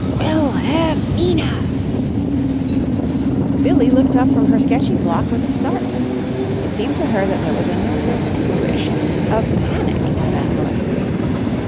"Wilhelmina!" Billie looked up from her sketching block with a start. It seemed to her that there was a note of anguish, of panic, in that voice.